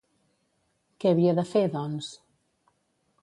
Què havia de fer, doncs?